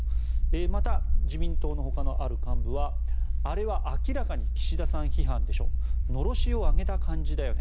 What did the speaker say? また、自民党のほかのある幹部はあれは明らかに岸田さん批判でしょのろしを上げた感じだよね。